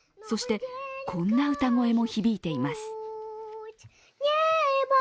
そして、こんな歌声も響いています